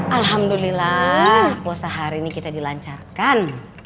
alhamdulillah puasa hari ini kita dilancarkan